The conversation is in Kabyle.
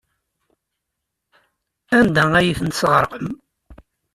Anda ay ten-tesɣerqem?